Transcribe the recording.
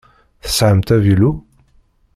Tesɛamt avilu?